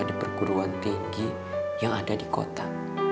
di perguruan tinggi yang ada di kota